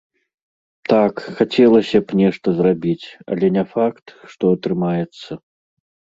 Так, хацелася б нешта зрабіць, але не факт, што атрымаецца.